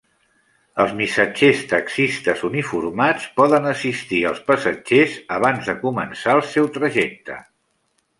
Els missatgers taxistes uniformats poden assistir als passatgers abans de començar el seu trajecte.